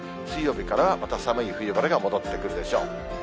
水曜日からはまた寒い冬晴れが戻ってくるでしょう。